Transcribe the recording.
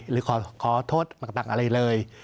หรือขอโทษต่างอะไรเลย